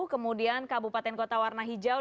kemudian kabupaten kota warna hijau